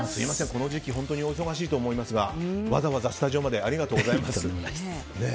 この時期本当にお忙しいと思いますがわざわざスタジオまでありがとうございます。